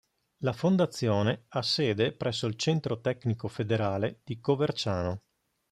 La Fondazione ha sede presso il Centro Tecnico Federale di Coverciano.